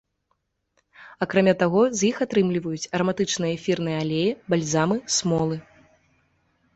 Акрамя таго, з іх атрымліваюць араматычныя эфірныя алеі, бальзамы, смолы.